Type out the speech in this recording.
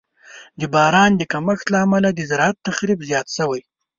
د باران د کمښت له امله د زراعت تخریب زیات شوی.